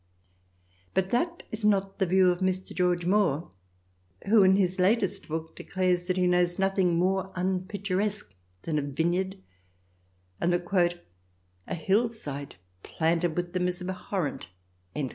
But that is not the view of Mr. George Moore, who in his latest book declares that he knows nothing more unpicturesque than a vineyard, and that " a hillside planted with them is abhorrent."